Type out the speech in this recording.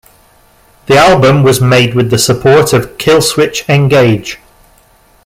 The album was made with the support of Killswitch Engage.